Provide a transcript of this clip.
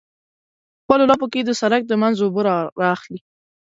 په خپلو لپو کې د سرک د منځ اوبه رااخلي.